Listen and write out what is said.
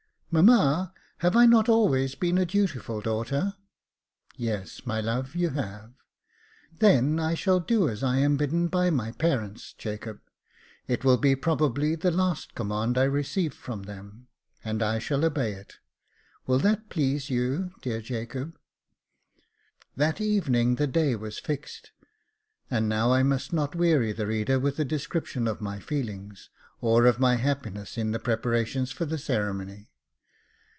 " Mamma, have I not always been a dutiful daughter ?"*' Yes, my love, you have." Then I shall do as I am bidden by my parents, Jacob ; it will be probably the last command I receive from them, and I shall obey it ; will that please you, dear Jacob ?" That evening the day was fixed, and now I must not weary the reader with a description of my feelings, or of my happiness in the preparations for the ceremony.